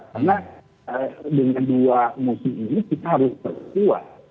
karena dengan dua musim ini kita harus perjuang